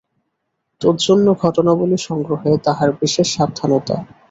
তজ্জন্য ঘটনাবলী-সংগ্রহে তাঁহার বিশেষ সাবধানতা।